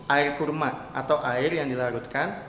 air kurma atau air yang dilarutkan